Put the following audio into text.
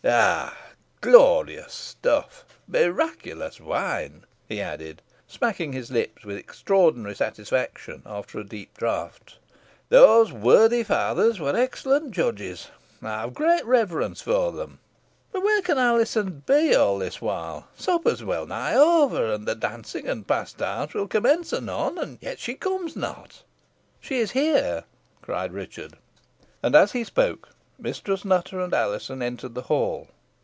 Ah! glorious stuff miraculous wine!" he added, smacking his lips with extraordinary satisfaction after a deep draught; "those worthy fathers were excellent judges. I have a great reverence for them. But where can Alizon be all this while? Supper is wellnigh over, and the dancing and pastimes will commence anon, and yet she comes not." "She is here," cried Richard. And as he spoke Mistress Nutter and Alizon entered the hall.